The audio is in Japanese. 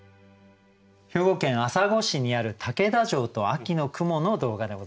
兵庫県朝来市にある竹田城と秋の雲の動画でございました。